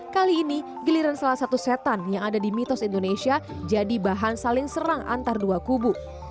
kali ini giliran salah satu setan yang ada di mitos indonesia jadi bahan saling serang antar dua kubu